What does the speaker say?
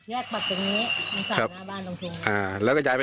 แยกไปปัดตรงนี้กับสระหน้าบ้านตรงปุ่มไป